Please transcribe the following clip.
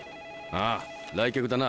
あ来客だな。